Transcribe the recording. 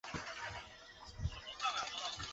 目前连同孔庙和碑林建筑对外开放。